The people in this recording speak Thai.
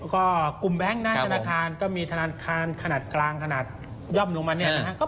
ก็กลุ่มแบงค์หน้าธนาคารก็มีธนาคารขนาดกลางขนาดย่อมลงมาเนี่ยนะครับ